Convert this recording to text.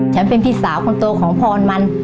พี่เป็นพี่สาวคนโตของพรมัน